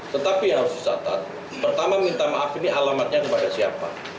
tetapi yang harus dicatat pertama minta maaf ini alamatnya kepada siapa